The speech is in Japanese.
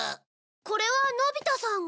これはのび太さんが。